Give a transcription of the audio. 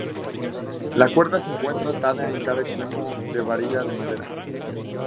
La cuerda se encuentra atada en cada extremo de la varilla de madera.